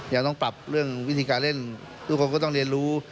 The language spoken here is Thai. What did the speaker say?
ยังต้องปรับเรื่องวิธีการเล่นทุกคนก็ต้องเรียนรู้